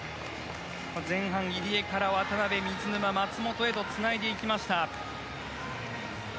前半、入江から渡辺水沼、松元へとつないでいきました。